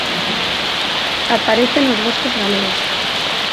Aparece nos bosques galegos.